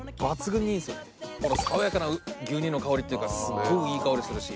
この爽やかな牛乳の香りというかすごくいい香りするし。